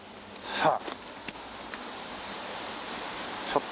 さあ。